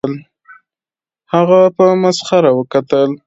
هغه په مسخره وکتل